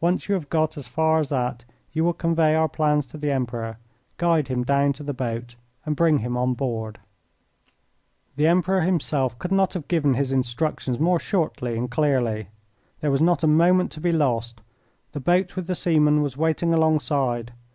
Once you have got as far as that you will convey our plans to the Emperor, guide him down to the boat, and bring him on board." The Emperor himself could not have given his instructions more shortly and clearly. There was not a moment to be lost. The boat with the seaman was waiting alongside.